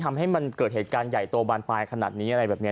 ทำให้มันเกิดเหตุการณ์ใหญ่โตบานปลายขนาดนี้อะไรแบบนี้